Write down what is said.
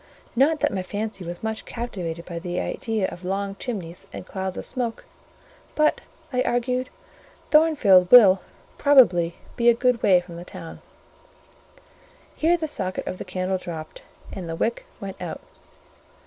Not that my fancy was much captivated by the idea of long chimneys and clouds of smoke—"but," I argued, "Thornfield will, probably, be a good way from the town." Here the socket of the candle dropped, and the wick went out.